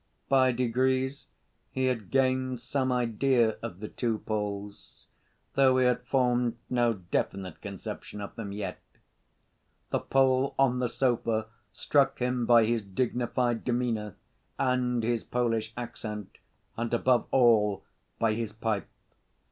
By degrees he had gained some idea of the two Poles, though he had formed no definite conception of them yet. The Pole on the sofa struck him by his dignified demeanor and his Polish accent; and, above all, by his pipe.